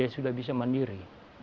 ini dia sudah bisa mandiri